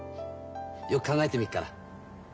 よく考えてみっから。